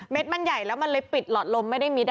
เม็ดมันใหญ่แลามันปิดหลอดลมไม่ได้มิด